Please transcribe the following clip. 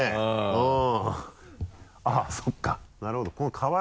うん。